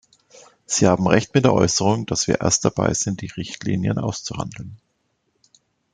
Sie haben Recht mit der Äußerung, dass wir erst dabei sind, die Richtlinie auszuhandeln.